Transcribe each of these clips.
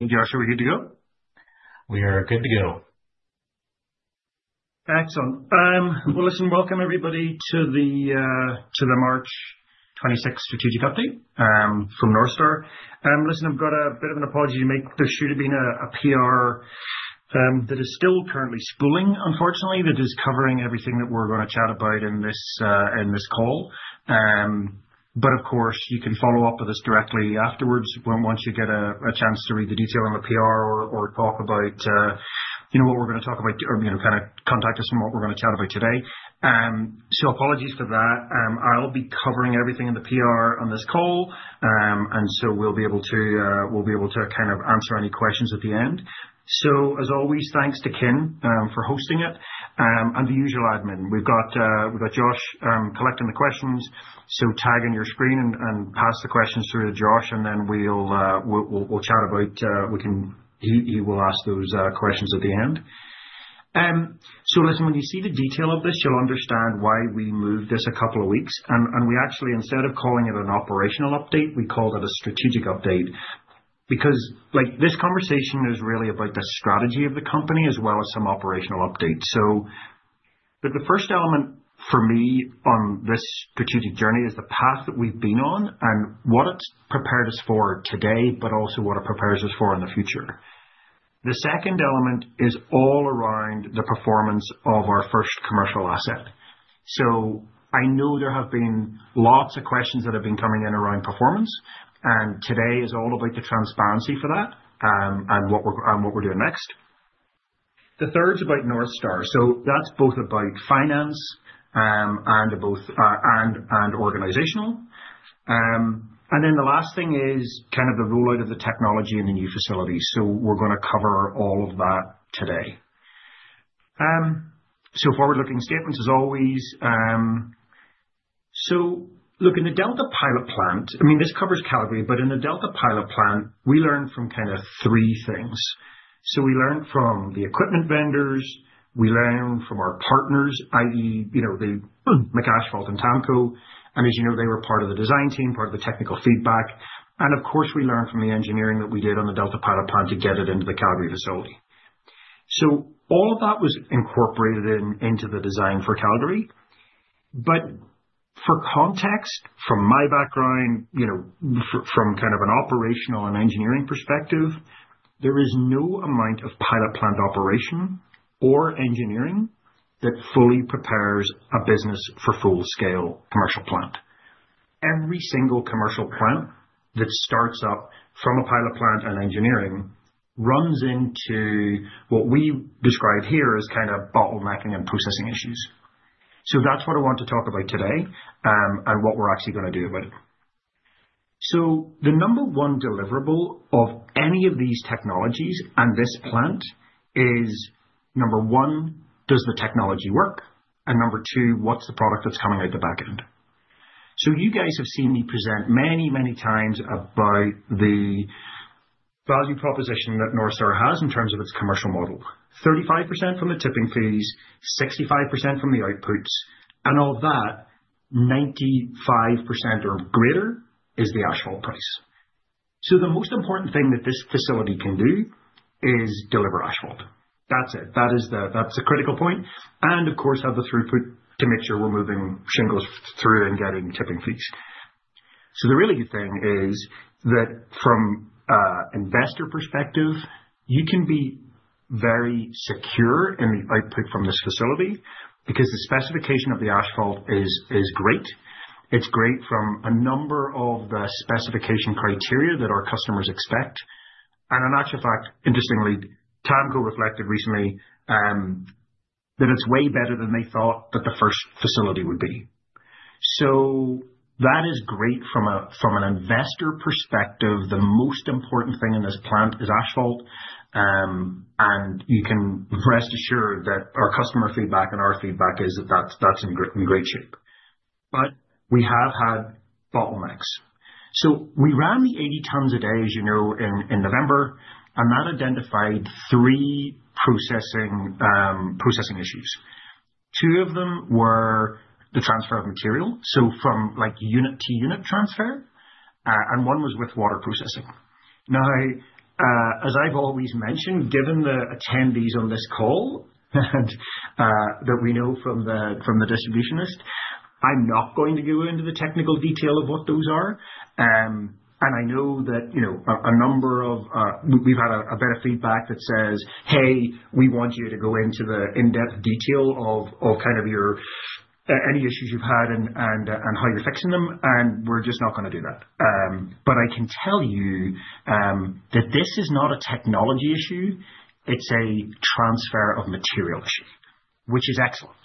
Hey, Josh, are we good to go? We are good to go. Excellent. Well, listen, welcome everybody to the March 26th strategic update from Northstar. Listen, I've got a bit of an apology to make. There should have been a PR that is still currently spooling unfortunately that is covering everything that we're gonna chat about in this call. Of course, you can follow up with us directly afterwards once you get a chance to read the detail on the PR or talk about, you know, what we're gonna talk about or, you know, kinda contact us on what we're gonna chat about today. Apologies for that. I'll be covering everything in the PR on this call. We'll be able to kind of answer any questions at the end. As always, thanks to Ken for hosting it and the usual admin. We've got Josh collecting the questions, so tag in your screen and pass the questions through to Josh and then we'll chat about. He will ask those questions at the end. Listen, when you see the detail of this, you'll understand why we moved this a couple of weeks. We actually instead of calling it an operational update, we called it a strategic update because, like, this conversation is really about the strategy of the company as well as some operational updates. The first element for me on this strategic journey is the path that we've been on and what it's prepared us for today, but also what it prepares us for in the future. The second element is all around the performance of our first commercial asset. I know there have been lots of questions that have been coming in around performance, and today is all about the transparency for that, and what we're doing next. The third's about Northstar, so that's both about finance and organizational. The last thing is kind of the rollout of the technology in the new facility. We're gonna cover all of that today. Forward-looking statements as always. Look, in the Delta Pilot Plant, I mean, this covers Calgary, but in the Delta Pilot Plant, we learned from kind of three things. We learned from the equipment vendors, we learned from our partners, i.e., you know, the McAsphalt and TAMKO. As you know, they were part of the design team, part of the technical feedback, and of course we learned from the engineering that we did on the Delta Pilot Plant to get it into the Calgary facility. All of that was incorporated in, into the design for Calgary. For context, from my background, you know, from kind of an operational and engineering perspective, there is no amount of pilot plant operation or engineering that fully prepares a business for full scale commercial plant. Every single commercial plant that starts up from a pilot plant and engineering runs into what we describe here as kind of bottlenecking and processing issues. That's what I want to talk about today, and what we're actually gonna do about it. The number one deliverable of any of these technologies and this plant is number one, does the technology work? Number two, what's the product that's coming out the back end? You guys have seen me present many, many times about the value proposition that Northstar has in terms of its commercial model. 35% from the tipping fees, 65% from the outputs, and all that, 95% or greater is the asphalt price. The most important thing that this facility can do is deliver asphalt. That's it. That is the critical point, and of course have the throughput to make sure we're moving shingles through and getting tipping fees. The really good thing is that from an investor perspective, you can be very secure in the output from this facility because the specification of the asphalt is great. It's great from a number of the specification criteria that our customers expect. In actual fact, interestingly, TAMKO reflected recently that it's way better than they thought that the first facility would be. That is great from an investor perspective. The most important thing in this plant is asphalt. You can rest assured that our customer feedback and our feedback is that that's in great shape. We have had bottlenecks. We ran the 80 tons a day, as you know, in November, and that identified three processing issues. Two of them were the transfer of material, so from like unit to unit transfer, and one was with water processing. Now, as I've always mentioned, given the attendees on this call and that we know from the distribution list, I'm not going to go into the technical detail of what those are. I know that, you know, a number of we've had a bit of feedback that says, "Hey, we want you to go into the in-depth detail of kind of your any issues you've had and how you're fixing them," and we're just not gonna do that. I can tell you that this is not a technology issue, it's a transfer of material issue, which is excellent.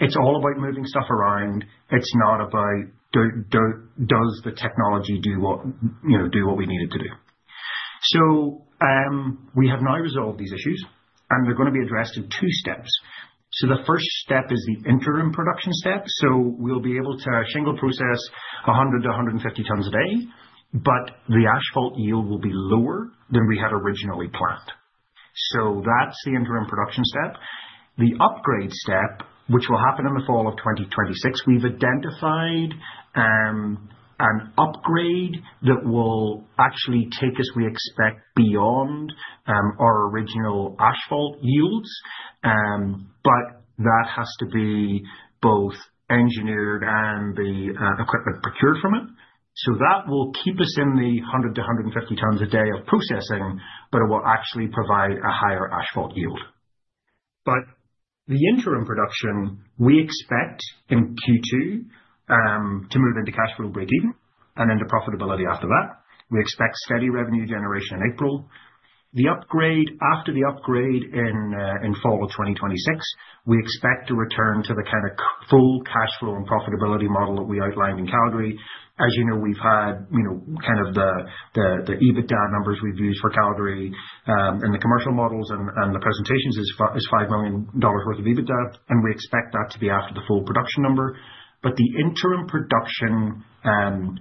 It's all about moving stuff around. It's not about does the technology do what, you know, do what we need it to do. We have now resolved these issues, and they're gonna be addressed in two steps. The first step is the interim production step. We'll be able to shingle process 100 tons-150 tons a day, but the asphalt yield will be lower than we had originally planned. That's the interim production step. The upgrade step, which will happen in the fall of 2026, we've identified an upgrade that will actually take us, we expect, beyond our original asphalt yields, but that has to be both engineered and the equipment procured from it. That will keep us in the 100 tons-150 tons a day of processing, but it will actually provide a higher asphalt yield. The interim production we expect in Q2 to move into cash flow breakeven and into profitability after that. We expect steady revenue generation in April. After the upgrade in fall of 2026, we expect to return to the kind of full cash flow and profitability model that we outlined in Calgary. As you know, we've had, you know, kind of the EBITDA numbers we've used for Calgary, and the commercial models and the presentations is 5 million dollars worth of EBITDA, and we expect that to be after the full production number. The interim production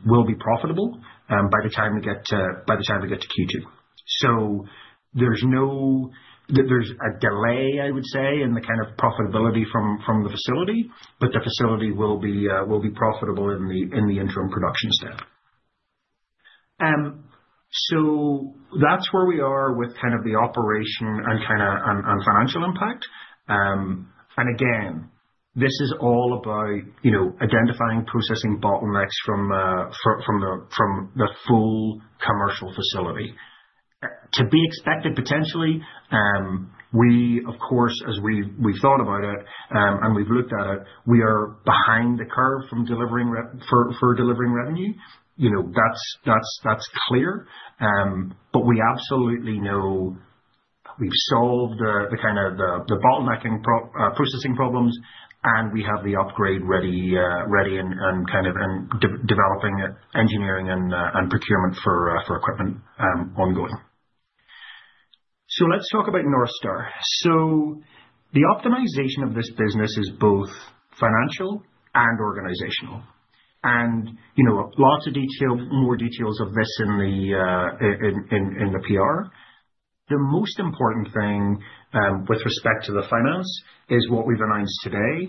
will be profitable by the time we get to Q2. There's a delay, I would say, in the kind of profitability from the facility, but the facility will be profitable in the interim production step. That's where we are with kind of the operation and kind of financial impact. This is all about, you know, identifying processing bottlenecks from the full commercial facility. To be expected potentially, we of course, as we've thought about it, and we've looked at it, we are behind the curve from delivering revenue. You know, that's clear. But we absolutely know we've solved the kind of the bottlenecking processing problems, and we have the upgrade ready and kind of developing it, engineering and procurement for equipment ongoing. Let's talk about Northstar. The optimization of this business is both financial and organizational and, you know, lots of detail, more details of this in the PR. The most important thing, with respect to the financing is what we've announced today.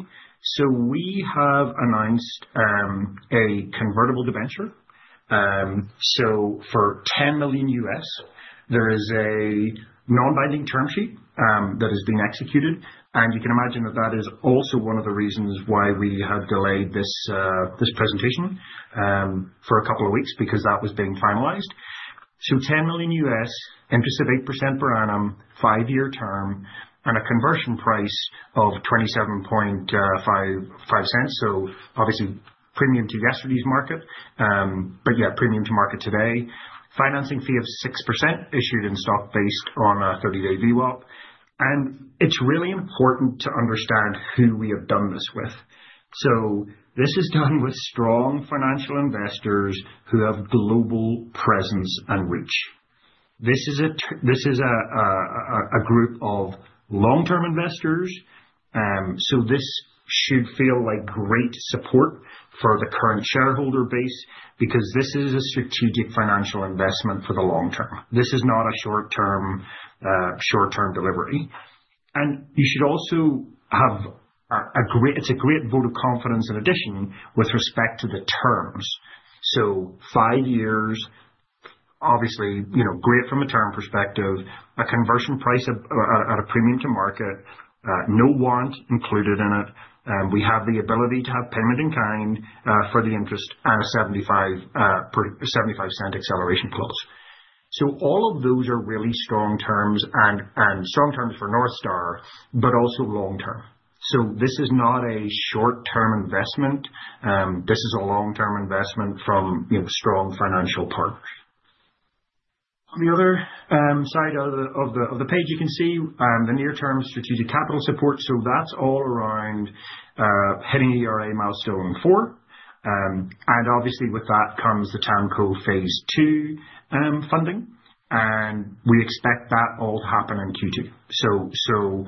We have announced a convertible debenture. For $10 million, there is a non-binding term sheet that is being executed. You can imagine that that is also one of the reasons why we have delayed this presentation for a couple of weeks, because that was being finalized. $10 million, interest of 8% per annum, five-year term, and a conversion price of 0.2755. Obviously premium to yesterday's market. But yeah, premium to market today. Financing fee of 6% issued in stock based on a 30-day VWAP. It's really important to understand who we have done this with. This is done with strong financial investors who have global presence and reach. This is a group of long-term investors. This should feel like great support for the current shareholder base because this is a strategic financial investment for the long term. This is not a short term delivery. You should also have a great vote of confidence in addition with respect to the terms. five years, obviously, you know, great from a term perspective, a conversion price at a premium to market, no warrant included in it. We have the ability to have payment in kind for the interest at a 75-cent acceleration clause. All of those are really strong terms for Northstar, but also long term. This is not a short-term investment. This is a long-term investment from, you know, strong financial partners. On the other side of the page, you can see the near-term strategic capital support. That's all around hitting ERA Milestone four. And obviously with that comes the TAMKO Phase 2 funding, and we expect that all to happen in Q2.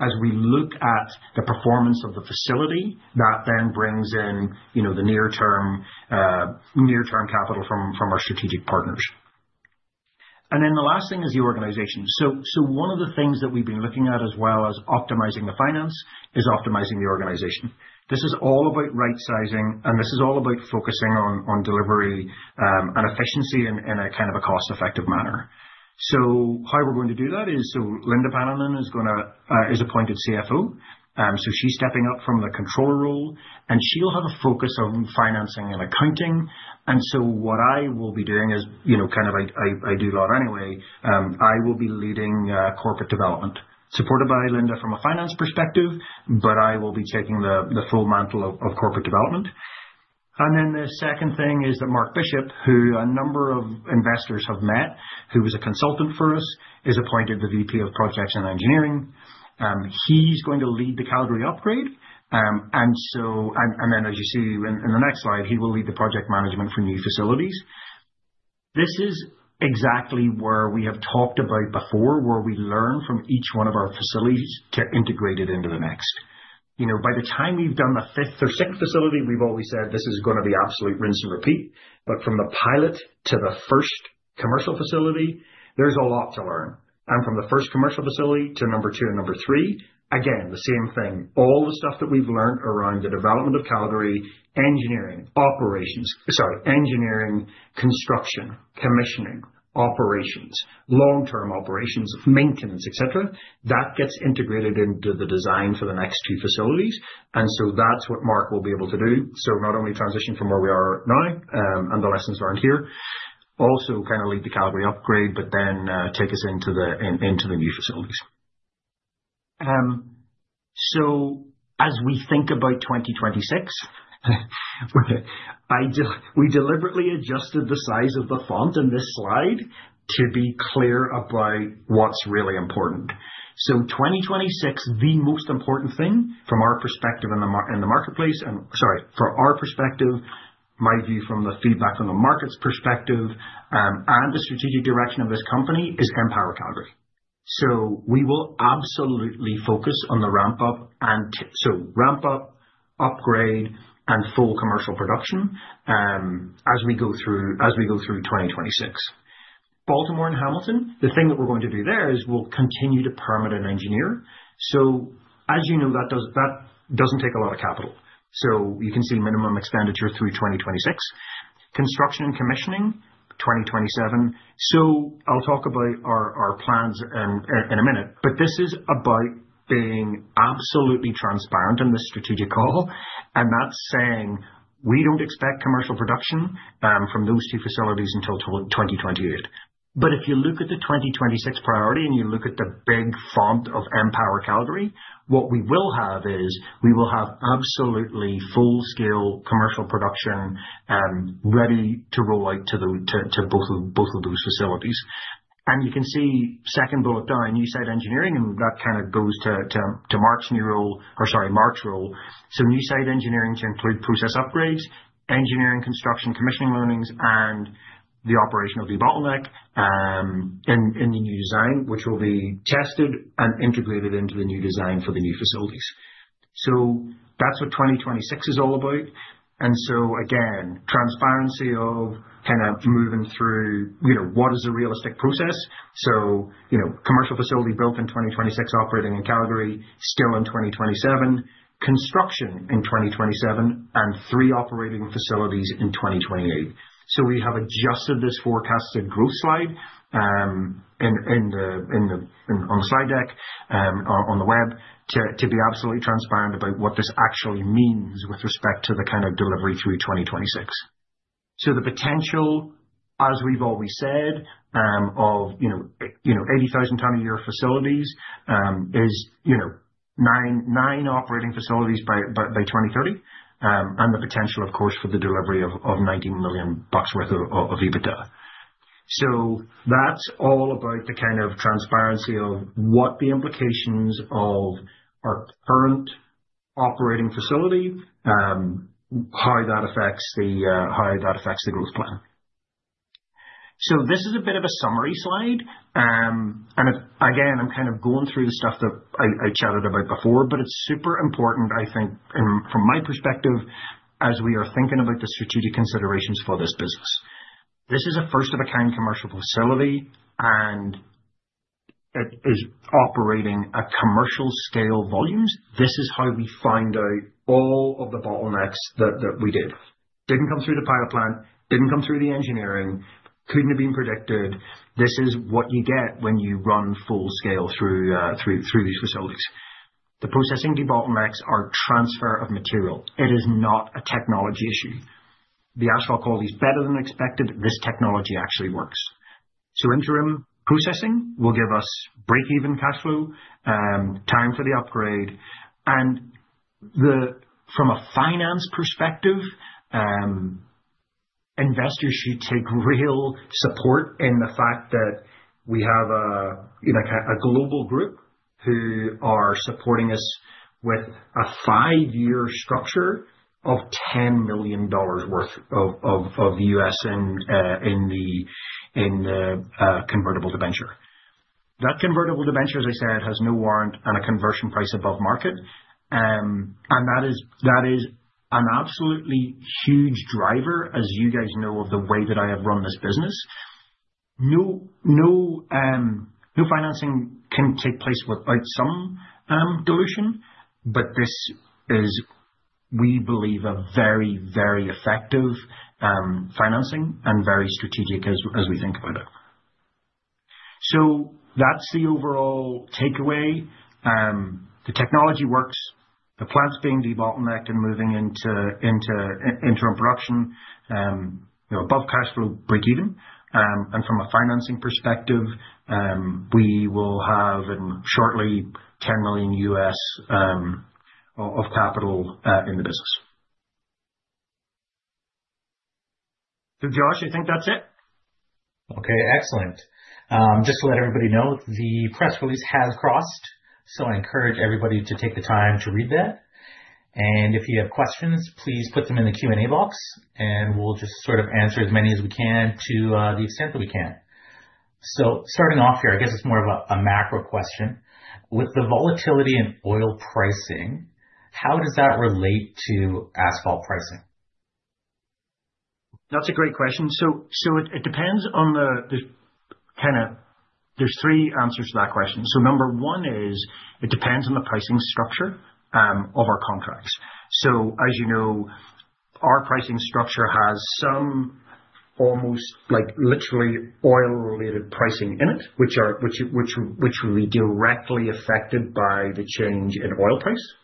As we look at the performance of the facility, that then brings in, you know, the near-term capital from our strategic partners. The last thing is the organization. One of the things that we've been looking at as well as optimizing the finance is optimizing the organization. This is all about right sizing, and this is all about focusing on delivery and efficiency in a kind of a cost-effective manner. How we're going to do that is, Lynda Paananen is appointed CFO. She's stepping up from the controller role, and she'll have a focus on financing and accounting. What I will be doing is, you know, kind of, I do that anyway, I will be leading corporate development, supported by Lynda from a finance perspective, but I will be taking the full mantle of corporate development. The second thing is that Mark Bishop, who a number of investors have met, who was a consultant for us, is appointed the VP of Projects and Engineering. He's going to lead the Calgary upgrade. As you see in the next slide, he will lead the project management for new facilities. This is exactly where we have talked about before, where we learn from each one of our facilities to integrate it into the next. You know, by the time we've done the fifth or sixth facility, we've always said this is gonna be absolute rinse and repeat. From the pilot to the first commercial facility, there's a lot to learn. From the first commercial facility to number two and number three, again, the same thing. All the stuff that we've learned around the development of Calgary, engineering, construction, commissioning, operations, long-term operations, maintenance, et cetera, that gets integrated into the design for the next two facilities. That's what Mark will be able to do. Not only transition from where we are now and the lessons learned here, also kinda lead the Calgary upgrade, but then take us into the new facilities. As we think about 2026, we deliberately adjusted the size of the font in this slide to be clear about what's really important. 2026, the most important thing from our perspective in the marketplace and from our perspective, my view from the feedback from the market's perspective, and the strategic direction of this company is Empower Calgary. We will absolutely focus on the ramp up, upgrade, and full commercial production as we go through 2026. Baltimore and Hamilton, the thing that we're going to do there is we'll continue to permit and engineer. As you know, that doesn't take a lot of capital. You can see minimum expenditure through 2026. Construction and commissioning, 2027. I'll talk about our plans in a minute. This is about being absolutely transparent in this strategic call, and that's saying, we don't expect commercial production from those two facilities until 2028. If you look at the 2026 priority and you look at the big font of Empower Calgary, what we will have is, we will have absolutely full-scale commercial production ready to roll out to both of those facilities. You can see second bullet down, new site engineering, and that kind of goes to Mark's new role or sorry, Mark's role. New site engineering to include process upgrades, engineering, construction, commissioning learnings, and the operation of debottleneck in the new design, which will be tested and integrated into the new design for the new facilities. That's what 2026 is all about. Again, transparency of kind of moving through, you know, what is a realistic process. You know, commercial facility built in 2026, operating in Calgary still in 2027. Construction in 2027 and three operating facilities in 2028. We have adjusted this forecasted growth slide in the slide deck on the web to be absolutely transparent about what this actually means with respect to the kind of delivery through 2026. The potential, as we've always said, of, you know, 80,000-ton-a-year facilities, is, you know, nine operating facilities by 2030. The potential, of course, for the delivery of 19 million bucks worth of EBITDA. That's all about the kind of transparency of what the implications of our current operating facility, how that affects the growth plan. This is a bit of a summary slide. Again, I'm kind of going through the stuff that I chatted about before, but it's super important, I think, from my perspective, as we are thinking about the strategic considerations for this business. This is a first of a kind commercial facility, and it is operating at commercial scale volumes. This is how we find out all of the bottlenecks that didn't come through the pilot plant, didn't come through the engineering, couldn't have been predicted. This is what you get when you run full scale through these facilities. The processing debottlenecks are transfer of material. It is not a technology issue. The asphalt quality is better than expected. This technology actually works. Interim processing will give us break-even cash flow, time for the upgrade. From a finance perspective, investors should take real support in the fact that we have a, you know, a global group who are supporting us with a five-year structure of $10 million in the convertible debenture. That convertible debenture, as I said, has no warrant and a conversion price above market. That is an absolutely huge driver, as you guys know, of the way that I have run this business. No financing can take place without some dilution, but this is, we believe, a very effective financing and very strategic as we think about it. That's the overall takeaway. The technology works, the plant's being debottlenecked and moving into interim production, you know, above cash flow break even. From a financing perspective, we will have in shortly $10 million of capital in the business. Josh, I think that's it. Okay, excellent. Just to let everybody know, the press release has crossed, so I encourage everybody to take the time to read that. If you have questions, please put them in the Q&A box, and we'll just sort of answer as many as we can to the extent that we can. Starting off here, I guess it's more of a macro question. With the volatility in oil pricing, how does that relate to asphalt pricing? That's a great question. It depends on the kind of. There's three answers to that question. Number one is, it depends on the pricing structure of our contracts. As you know, our pricing structure has some almost like literally oil-related pricing in it, which will be directly affected by the change in oil price.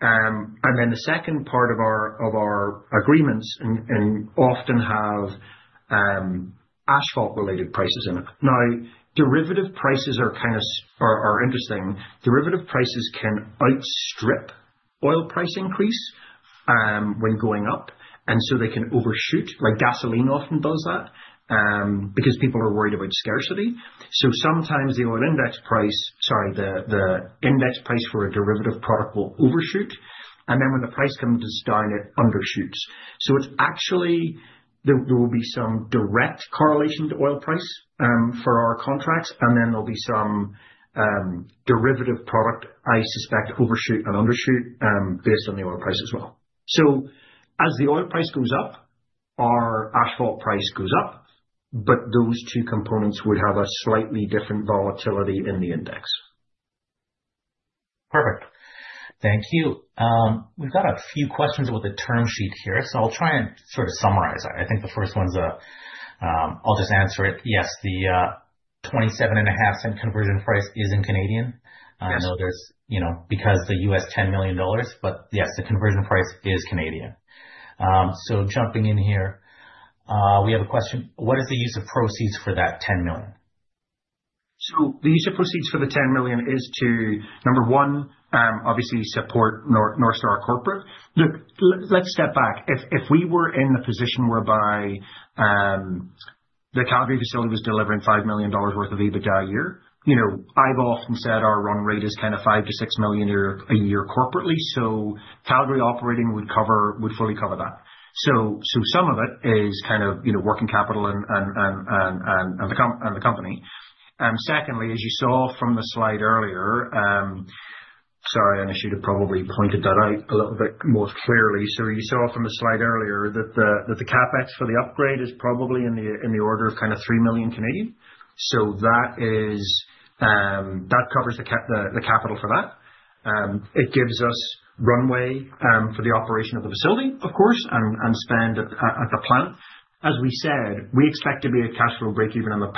And then the second part of our agreements and often have asphalt-related prices in it. Now, derivative prices are kind of interesting. Derivative prices can outstrip oil price increase when going up, and so they can overshoot. Like gasoline often does that because people are worried about scarcity. Sometimes the oil index price. Sorry, the index price for a derivative product will overshoot, and then when the price comes down, it undershoots. It's actually there. There will be some direct correlation to oil price for our contracts, and then there'll be some derivative product, I suspect, overshoot and undershoot based on the oil price as well. As the oil price goes up, our asphalt price goes up, but those two components would have a slightly different volatility in the index. Perfect. Thank you. We've got a few questions with the term sheet here, so I'll try and sort of summarize. I think the first one's a, I'll just answer it. Yes, the 0.275 conversion price is in Canadian. Yes. I know there's, you know, because the $10 million, but yes, the conversion price is Canadian. Jumping in here, we have a question: what is the use of proceeds for that $10 million? The use of proceeds for the $10 million is to, number one, obviously support Northstar corporate. Look, let's step back. If we were in the position whereby the Calgary facility was delivering 5 million dollars worth of EBITDA a year, you know, I've often said our run rate is kind of 5 million-6 million a year corporately. Calgary operating would fully cover that. Some of it is kind of, you know, working capital and the company. Secondly, as you saw from the slide earlier. Sorry, I should have probably pointed that out a little bit more clearly. You saw from the slide earlier that the CapEx for the upgrade is probably in the order of kind of 3 million. That covers the capital for that. It gives us runway for the operation of the facility, of course, and spend at the plant. As we said, we expect to be a cash flow breakeven on the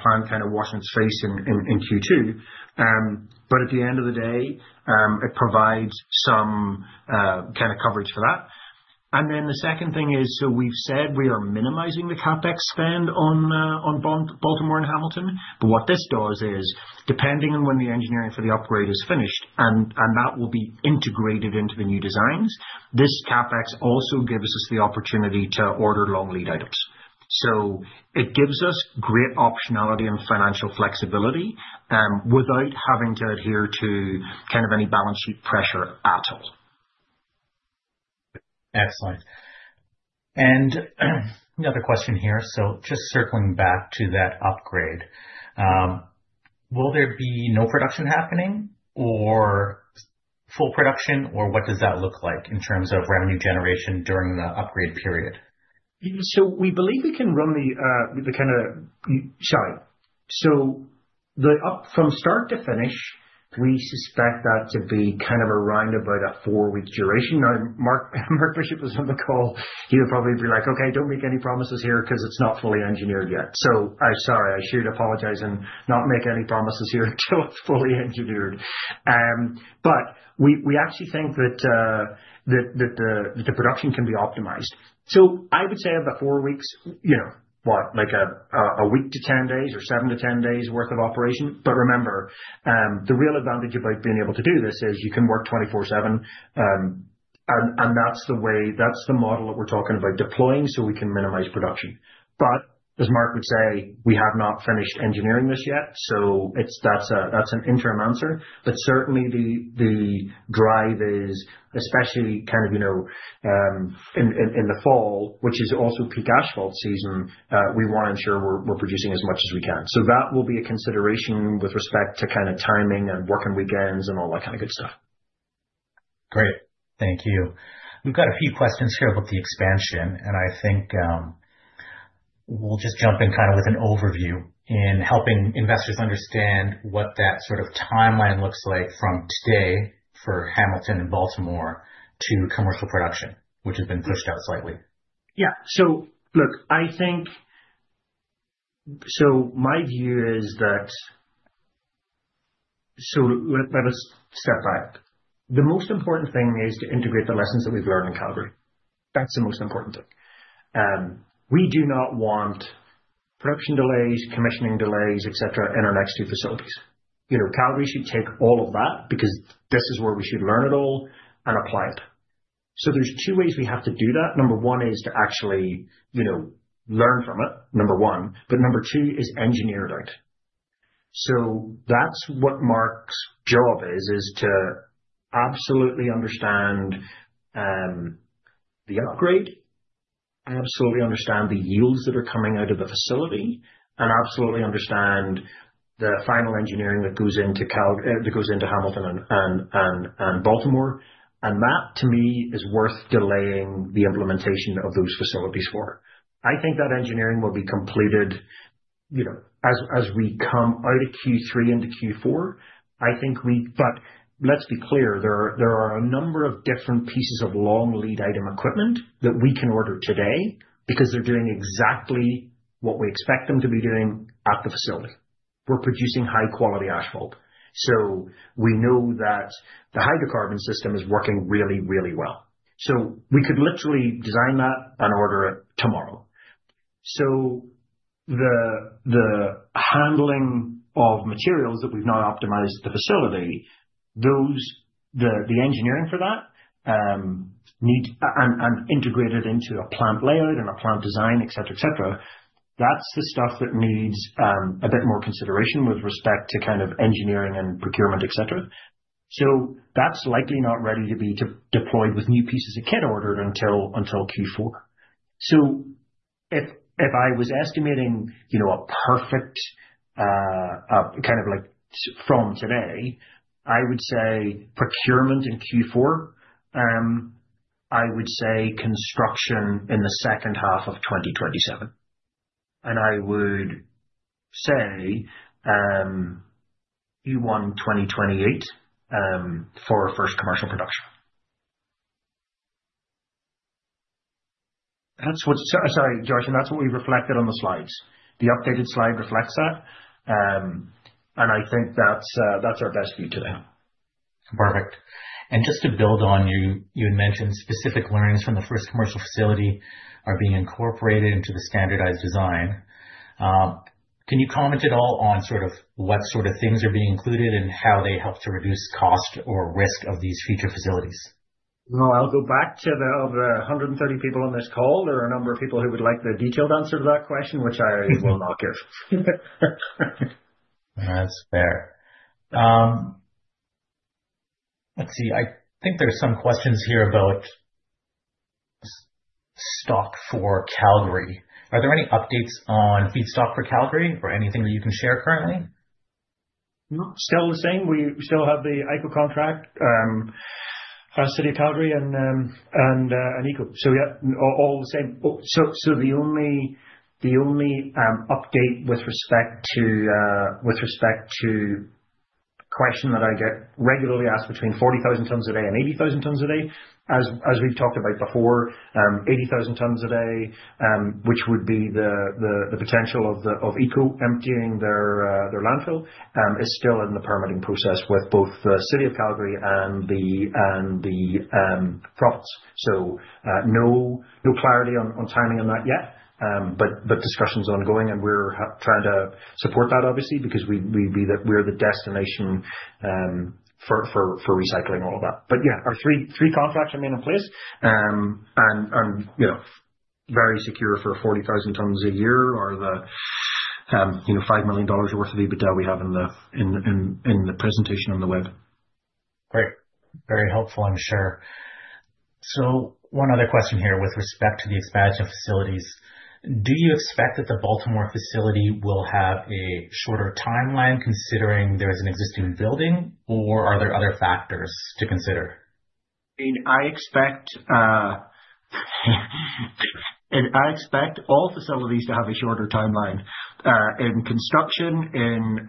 plant kind of positive in Q2. At the end of the day, it provides some kind of coverage for that. The second thing is, we've said we are minimizing the CapEx spend on Baltimore and Hamilton. What this does is, depending on when the engineering for the upgrade is finished and that will be integrated into the new designs, this CapEx also gives us the opportunity to order long lead items. It gives us great optionality and financial flexibility, without having to adhere to kind of any balance sheet pressure at all. Excellent. Another question here. Just circling back to that upgrade, will there be no production happening or full production, or what does that look like in terms of revenue generation during the upgrade period? From start to finish, we suspect that to be kind of around about a 4-week duration. Now, Mark Bishop is on the call, he would probably be like, "Okay, don't make any promises here 'cause it's not fully engineered yet." I'm sorry, I should apologize and not make any promises here until it's fully engineered. We actually think that the production can be optimized. I would say of the four weeks, you know, what? Like a week to 10 days or seven days-10 days worth of operation. Remember, the real advantage about being able to do this is you can work 24/7. That's the way. That's the model that we're talking about deploying so we can minimize production. As Mark would say, we have not finished engineering this yet. It's an interim answer, but certainly the drive is especially kind of, you know, in the fall, which is also peak asphalt season, we wanna ensure we're producing as much as we can. That will be a consideration with respect to kind of timing and working weekends and all that kind of good stuff. Great. Thank you. We've got a few questions here about the expansion, and I think, we'll just jump in kind of with an overview in helping investors understand what that sort of timeline looks like from today for Hamilton and Baltimore to commercial production, which has been pushed out slightly. Yeah. Look, I think my view is that let us step back. The most important thing is to integrate the lessons that we've learned in Calgary. That's the most important thing. We do not want production delays, commissioning delays, et cetera, in our next two facilities. You know, Calgary should take all of that because this is where we should learn it all and apply it. There's two ways we have to do that. Number one is to actually, you know, learn from it, number one. Number two is engineer it out. That's what Mark's job is to absolutely understand the upgrade, absolutely understand the yields that are coming out of the facility, and absolutely understand the final engineering that goes into Hamilton and Baltimore. That to me is worth delaying the implementation of those facilities for. I think that engineering will be completed, you know, as we come out of Q3 into Q4. Let's be clear, there are a number of different pieces of long lead items that we can order today because they're doing exactly what we expect them to be doing at the facility. We're producing high quality asphalt, so we know that the hydrocarbon system is working really, really well. We could literally design that and order it tomorrow. The handling of materials that we've now optimized at the facility, those. The engineering for that needs and integrated into a plant layout and a plant design, et cetera, et cetera, that's the stuff that needs a bit more consideration with respect to kind of engineering and procurement, et cetera. That's likely not ready to be deployed with new pieces of kit ordered until Q4. If I was estimating, you know, a perfect kind of like from today, I would say procurement in Q4. I would say construction in the second half of 2027. I would say Q1 2028 for first commercial production. That's what. Sorry, Josh, that's what we reflected on the slides. The updated slide reflects that. I think that's our best view today. Perfect. Just to build on, you had mentioned specific learnings from the first commercial facility are being incorporated into the standardized design. Can you comment at all on sort of what sort of things are being included and how they help to reduce cost or risk of these future facilities? No, I'll go back to the. Of the 130 people on this call, there are a number of people who would like the detailed answer to that question, which I will not give. That's fair. Let's see. I think there's some questions here about stock for Calgary. Are there any updates on feedstock for Calgary or anything that you can share currently? No. Still the same. We still have the Ecco contract, City of Calgary and Ecco. Yeah, all the same. The only update with respect to the question that I get regularly asked between 40,000 tons a day and 80,000 tons a day, as we've talked about before, 80,000 tons a day, which would be the potential of the Ecco emptying their landfill, is still in the permitting process with both the City of Calgary and the province. No clarity on timing on that yet. The discussion's ongoing, and we're trying to support that obviously, because we'd be the destination for recycling all of that. Yeah, our three contracts remain in place. You know, very secure for 40,000 tons a year or the, you know, 5 million dollars worth of EBITDA we have in the presentation on the web. Great. Very helpful, I'm sure. One other question here with respect to the expansion of facilities. Do you expect that the Baltimore facility will have a shorter timeline considering there is an existing building, or are there other factors to consider? I mean, I expect all facilities to have a shorter timeline in construction and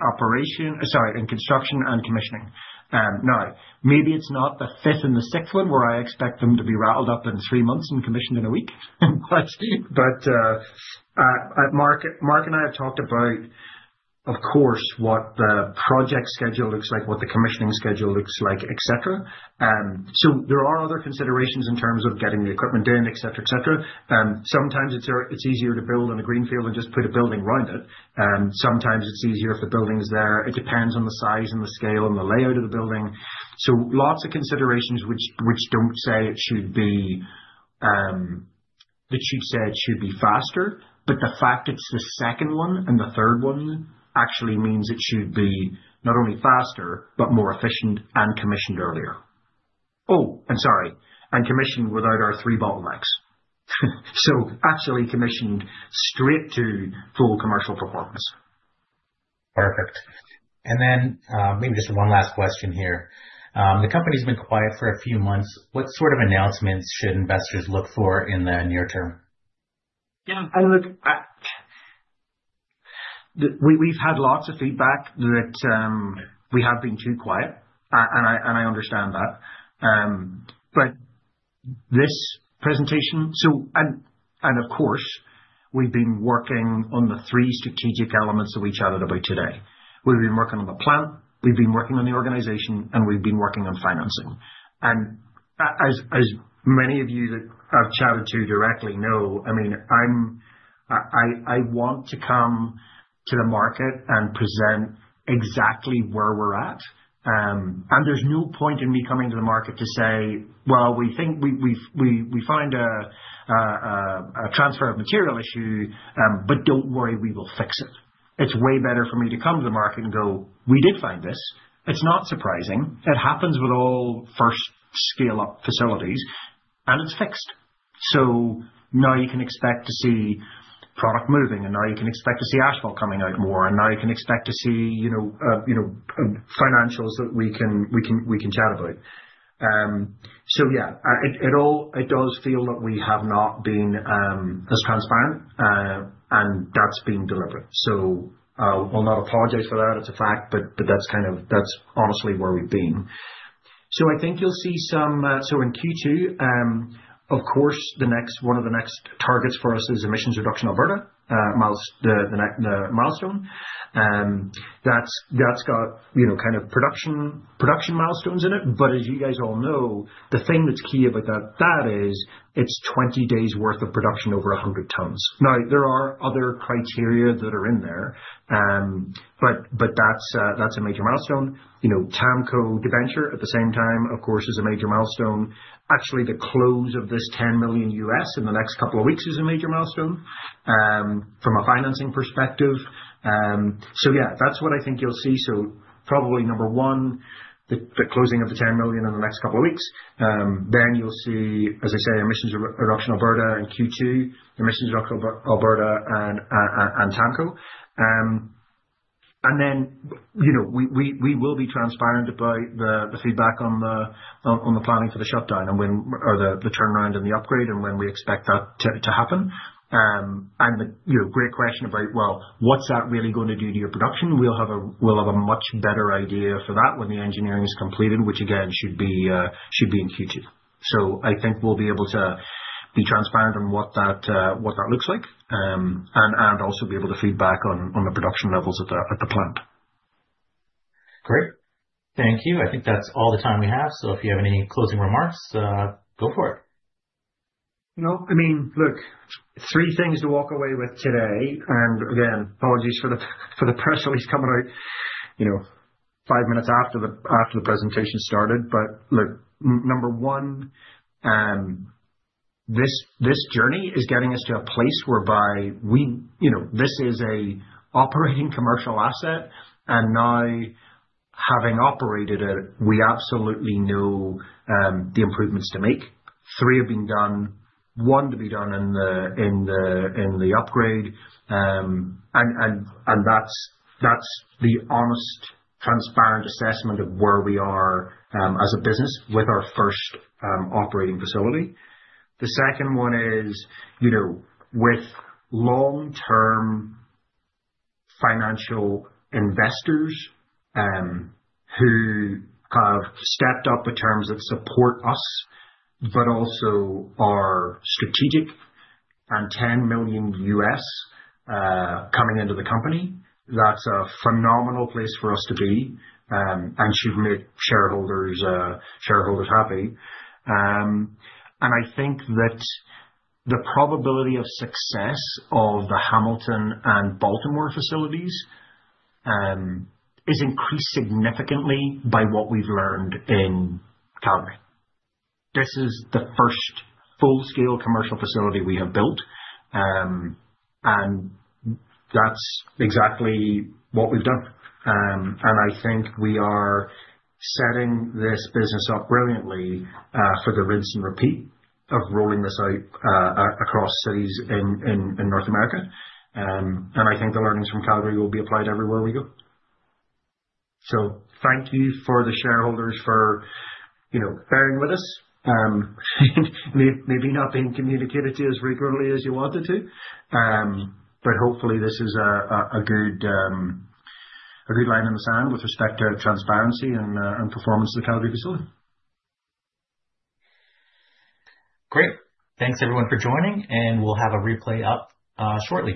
commissioning. Now maybe it's not the fifth and the sixth one where I expect them to be ramped up in three months and commissioned in one week. Mark and I have talked about, of course, what the project schedule looks like, what the commissioning schedule looks like, et cetera. There are other considerations in terms of getting the equipment in, et cetera. Sometimes it's easier to build on a greenfield and just put a building around it. Sometimes it's easier if the building is there. It depends on the size and the scale and the layout of the building. Lots of considerations which don't say it should be that you'd say it should be faster, but the fact it's the second one and the third one actually means it should be not only faster but more efficient and commissioned earlier. Oh, and sorry, and commissioned without our three bottlenecks. Actually commissioned straight to full commercial performance. Perfect. Maybe just one last question here. The company's been quiet for a few months. What sort of announcements should investors look for in the near term? I look at. We've had lots of feedback that we have been too quiet. I understand that. This presentation. Of course we've been working on the three strategic elements that we chatted about today. We've been working on the plant, we've been working on the organization, and we've been working on financing. As many of you that I've chatted to directly know, I mean, I want to come to the market and present exactly where we're at. There's no point in me coming to the market to say, "Well, we think we find a transfer of material issue, but don't worry, we will fix it." It's way better for me to come to the market and go, "We did find this. It's not surprising. It happens with all first scale-up facilities, and it's fixed. Now you can expect to see product moving, and now you can expect to see asphalt coming out more, and now you can expect to see, you know, financials that we can chat about. Yeah, it all does feel that we have not been as transparent, and that's been deliberate. I will not apologize for that, it's a fact, but that's honestly where we've been. I think you'll see some. In Q2, of course, one of the next targets for us is Emissions Reduction Alberta, the milestone. That's got you know kind of production milestones in it. As you guys all know, the thing that's key about that is it's 20 days worth of production over 100 tons. Now, there are other criteria that are in there, but that's a major milestone. You know, TAMKO debenture at the same time, of course, is a major milestone. Actually, the close of this $10 million in the next couple of weeks is a major milestone from a financing perspective. Yeah, that's what I think you'll see. Probably number one, the closing of the $10 million in the next couple of weeks. Then you'll see, as I say, Emissions Reduction Alberta in Q2, Emissions Reduction Alberta and TAMKO. You know, we will be transparent about the feedback on the planning for the shutdown or the turnaround and the upgrade and when we expect that to happen. You know, great question about, well, what's that really gonna do to your production? We'll have a much better idea for that when the engineering is completed, which again should be in Q2. I think we'll be able to be transparent on what that looks like. Also be able to feedback on the production levels at the plant. Great. Thank you. I think that's all the time we have, so if you have any closing remarks, go for it. No, I mean, look, three things to walk away with today. Again, apologies for the press release coming out, you know, five minutes after the presentation started. Look, number one, this journey is getting us to a place whereby we, you know, this is an operating commercial asset. Now, having operated it, we absolutely know the improvements to make. Three have been done, one to be done in the upgrade. That's the honest, transparent assessment of where we are as a business with our first operating facility. The second one is, you know, with long-term financial investors, who have stepped up in terms of support us, but also are strategic and $10 million coming into the company, that's a phenomenal place for us to be, and should make shareholders happy. I think that the probability of success of the Hamilton and Baltimore facilities is increased significantly by what we've learned in Calgary. This is the first full-scale commercial facility we have built, and that's exactly what we've done. I think we are setting this business up brilliantly, for the rinse and repeat of rolling this out, across cities in North America. I think the learnings from Calgary will be applied everywhere we go. Thank you for the shareholders for, you know, bearing with us. Maybe not being communicated to you as regularly as you wanted to. Hopefully this is a good line in the sand with respect to transparency and performance of the Calgary facility. Great. Thanks everyone for joining, and we'll have a replay up, shortly.